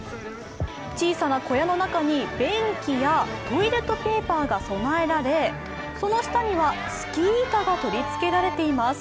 小さな小屋の中に、便器やトイレットペーパーが備えられその下にはスキー板が取り付けられています。